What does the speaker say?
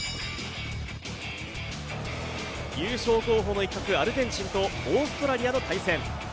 優勝候補の一角アルゼンチンとオーストラリアの対戦。